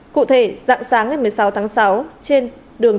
cụ thể dạng sáng ngày một mươi sáu tháng sáu trên đường